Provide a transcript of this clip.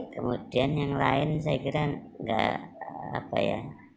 kemudian yang lain saya kira nggak apa ya